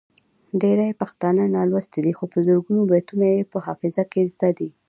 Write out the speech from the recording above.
ډیری پښتانه نالوستي دي خو په زرګونو بیتونه یې په حافظه کې زده دي.